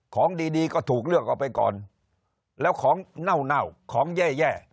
ของดีดีก็ถูกเลือกออกไปก่อนแล้วของเน่าของแย่